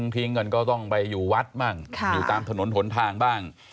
ทิ้งกันก็ต้องไปอยู่วัดบ้างอยู่ตามถนนหนทางบ้าง